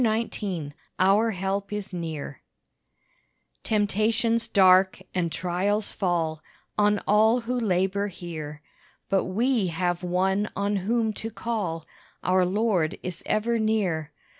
Our Help Is Near Temptations dark and trials fall On all who labor here; But we have One on whom to call: Our Lord is ever near.